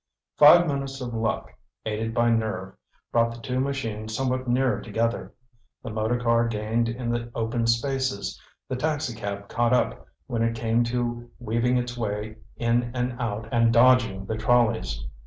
Five minutes of luck, aided by nerve, brought the two machines somewhat nearer together. The motor car gained in the open spaces, the taxicab caught up when it came to weaving its way in and out and dodging the trolleys.